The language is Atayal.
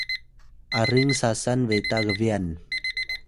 aring sasan beta gbyan